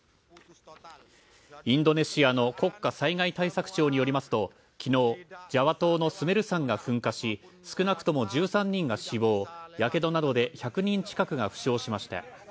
インドネシアの国家災害対策庁によりますと昨日、ジャワ島のスメル山が噴火し少なくとも１３人が死亡、火傷などで１００人近くが負傷しました。